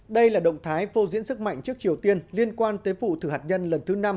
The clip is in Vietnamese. đây là động thái vô diễn sức mạnh trước triều tiên liên quan tới vụ thử hạt nhân lần thứ năm